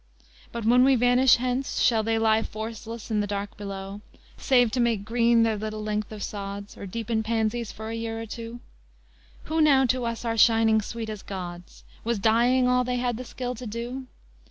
But, when we vanish hence, Shall they lie forceless in the dark below, Save to make green their little length of sods, Or deepen pansies for a year or two, Who now to us are shining sweet as gods? Was dying all they had the skill to do?